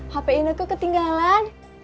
hp ineke ketinggalan